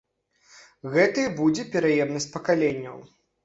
Гэта і будзе пераемнасць пакаленняў.